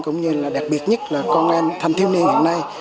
cũng như là đặc biệt nhất là con em thanh thiếu niên hiện nay